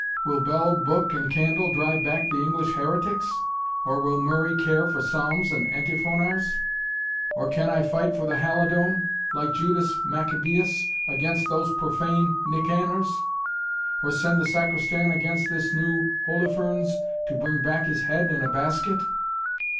Will bell, book, and candle, drive back the English heretics? or will Murray care for psalms and antiphonars? or can I fight for the Halidome, like Judas Maccabeus, against those profane Nicanors? or send the Sacristan against this new Holofernes, to bring back his head in a basket?"